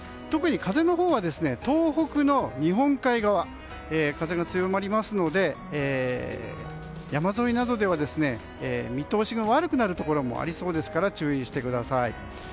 特に風のほうは東北の日本海側で風が強まりますので山沿いなどでは見通しが悪くなるところもありそうですから注意してください。